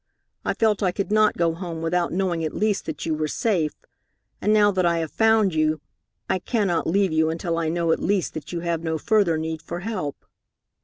I felt I could not go home without knowing at least that you were safe, and now that I have found you, I cannot leave you until I know at least that you have no further need for help."